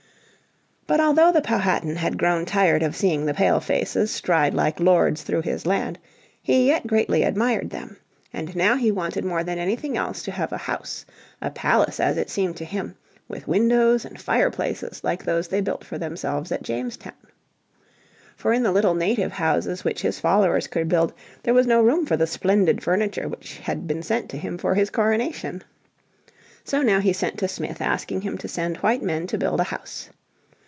But although the Powhatan had grown tired of seeing the Pale faces stride like lords through his land, he yet greatly admired them. And now he wanted more than anything else to have a house, a palace as it seemed to him, with windows and fireplaces like those they built for themselves at Jamestown. For in the little native houses which his followers could build there was no room for the splendid furniture which had been sent to him for his coronation. So now he sent to Smith asking him to send white men to build a house.